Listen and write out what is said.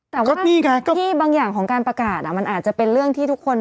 แต่ว่าที่บางอย่างของการประกาศมันอาจจะเป็นเรื่องที่ทุกคน